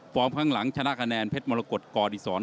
พร้อมข้างหลังชนะคะแนนเพชรมรกฎโซ่อดิสร